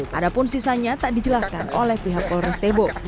padahal sisanya tak dijelaskan oleh pihak polres tebo